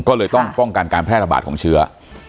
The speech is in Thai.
ก็เลยต้องป้องกันการแพร่ระบาดของเชื้อ